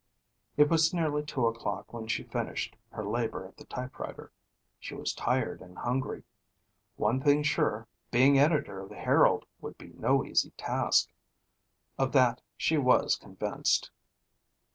It was nearly two o'clock when she finished her labor at the typewriter. She was tired and hungry. One thing sure, being editor of the Herald would be no easy task. Of that she was convinced.